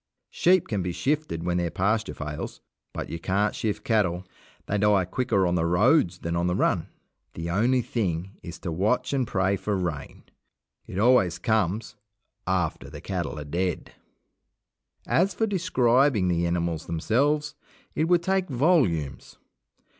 Sheep can be shifted when their pasture fails, but you can't shift cattle. They die quicker on the roads than on the run. The only thing is to watch and pray for rain. It always comes after the cattle are dead. As for describing the animals themselves, it would take volumes.